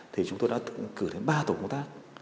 thì chúng tôi đã cử đến ba tổ công tác